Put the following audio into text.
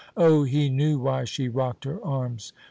Oh, he knew why she rocked her arms!